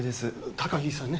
高城さんね